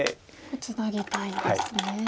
ツナぎたいですね。